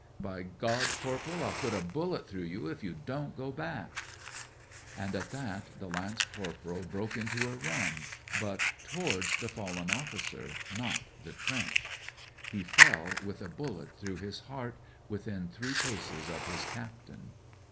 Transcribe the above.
" By God, corporal, I'll put a bullet through you if you don't go back 1 " And at that the lance corporal broke into a run — but towards the fallen officer, not the trench. He fell, with a bullet through his heart, within three paces of his captain.